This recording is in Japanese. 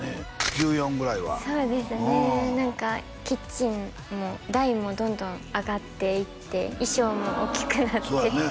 １４ぐらいはそうですね何かキッチンも台もどんどん上がっていって衣装も大きくなってそう